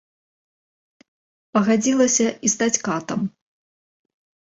Пагадзілася і стаць катам.